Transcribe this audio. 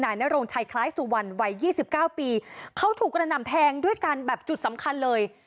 นโรงชัยคล้ายสุวรรณวัยยี่สิบเก้าปีเขาถูกกระหน่ำแทงด้วยกันแบบจุดสำคัญเลย